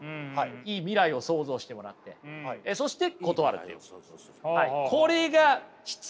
いい未来を想像してもらってそして断るという。